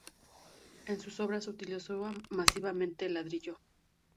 En sus obras utilizó masivamente el ladrillo.